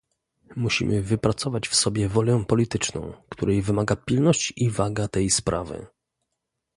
Musimy wypracować w sobie wolę polityczną, której wymaga pilność i waga tej sprawy